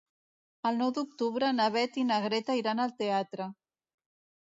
El nou d'octubre na Beth i na Greta iran al teatre.